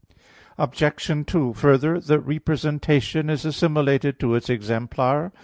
Obj. 2: Further, the representation is assimilated to its exemplar.